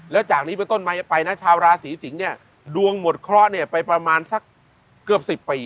แล้วจากนี้ไปต้นมาไปนะชาวราศีสิงศ์เนี่ยดวงหมดเคราะห์เนี่ยไปประมาณสักเกือบ๑๐ปี